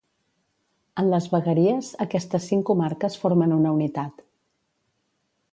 En les vegueries aquestes cinc comarques formen una unitat.